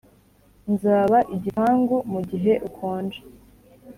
nzaba igipangu mugihe ukonje.